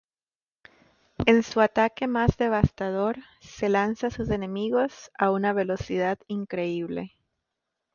En su ataque más devastador, se lanza a sus enemigos a una velocidad increíble.